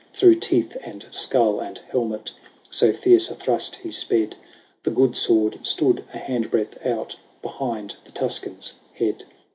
Through teeth, and skull, and helmet, So fierce a thrust he sped. The good sword stood a hand breadth out Behind the Tuscan's head.